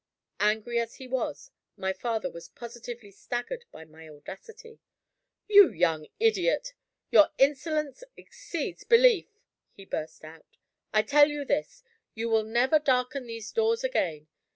Angry as he was, my father was positively staggered by my audacity. "You young idiot, your insolence exceeds belief!" he burst out. "I tell you this: you will never darken these doors again!